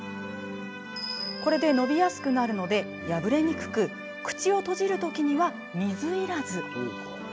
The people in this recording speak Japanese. のびやすくなるので破れにくく口を閉じるときには水いらず。